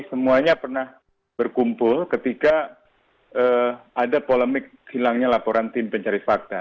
semuanya pernah berkumpul ketika ada polemik hilangnya laporan tim pencari fakta